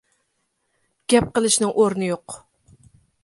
گەپ قىلىشنىڭ ئورنى يوق.